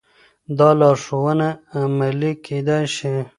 دا لارښوونه عملي کېدای شي.